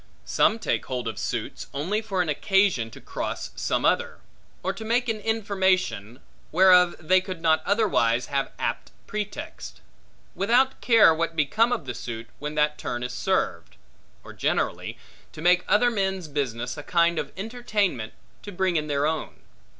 Some take hold of suits, only for an occasion to cross some other; or to make an information, whereof they could not otherwise have apt pretext; without care what become of the suit, when that turn is served; or, generally, to make other men's business a kind of entertainment, to bring in their own.